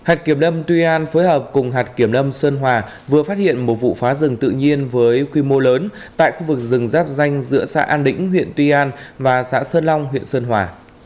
hạt kiểm lâm tuy an phối hợp cùng hạt kiểm lâm sơn hòa vừa phát hiện một vụ phá rừng tự nhiên với quy mô lớn tại khu vực rừng ráp danh giữa xã an lĩnh huyện tuy an và xã sơn long huyện sơn hòa